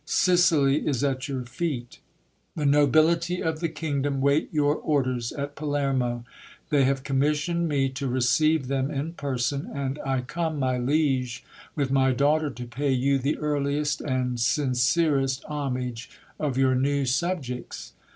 Sicily is at your feet. The nobility of the kingdom wait your orders at Palermo. They have commissioned me to receive them in person, and I come, my liege, with my daughter to pay you the earliest and sin :erest homage of your new subjects.